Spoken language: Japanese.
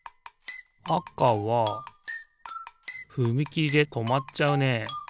あかはふみきりでとまっちゃうね。